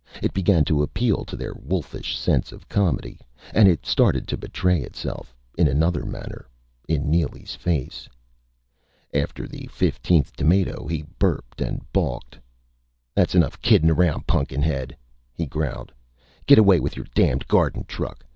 It began to appeal to their wolfish sense of comedy. And it started to betray itself in another manner in Neely's face. After the fifteenth tomato, he burped and balked. "That's enough kiddin' around, Pun'kin head," he growled. "Get away with your damned garden truck!